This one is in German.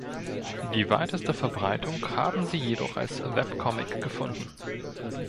Die weiteste Verbreitung haben sie jedoch als Webcomic gefunden.